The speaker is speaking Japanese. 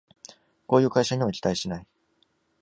こういう会社には期待しない